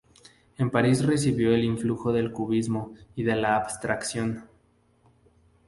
En París recibió el influjo del cubismo y de la abstracción.